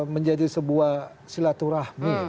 menjadi sebuah silaturahmi